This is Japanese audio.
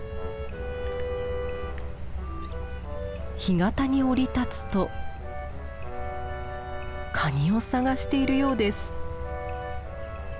干潟に降り立つとカニを探しているようです。